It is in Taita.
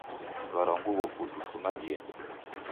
Warwa nguw'o putu fuma diende